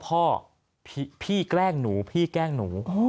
พี่แกล้งหนูพี่แกล้งหนู